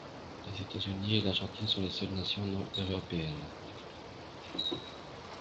Les États-Unis et l'Argentine sont les seules nations non-européennes.